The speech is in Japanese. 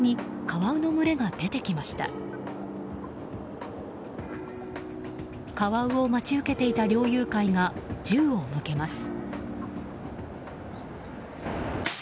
カワウを待ち受けていた猟友会が銃を向けます。